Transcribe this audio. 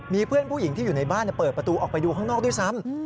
มีเพื่อนผู้หญิงที่อยู่ในบ้านเปิดประตูออกไปดูข้างนอกด้วยซ้ำ